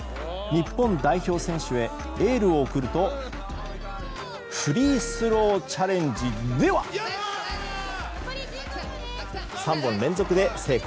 日本代表選手へエールを送るとフリースローチャレンジでは３本連続で成功！